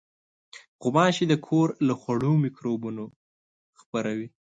غوماشې د کور له خوړو مکروبونه خپروي.